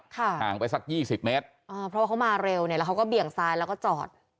ขางไปสัก๒๐เมตรพอเขามาเร็วเนี่ยเขาก็เบี่ยงซ้ายก็จอด